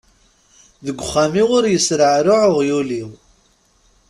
Deg uxxam-iw ur yesreɛruɛ uɣyul-iw!